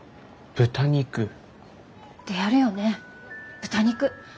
であるよね豚肉。